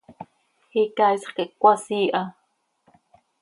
Icaaisx quih cöcasii ha.